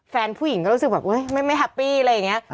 แฟนผู้หญิงก็รู้สึกแบบไม่แฮปปี้อะไรอย่างนี้